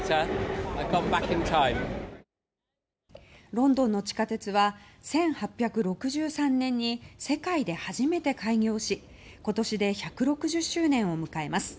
ロンドンの地下鉄は１８６３年に世界で初めて開業し今年で１６０周年を迎えます。